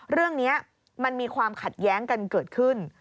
เรื่องนี้มันมีความขัดแย้งกันเกิดขึ้น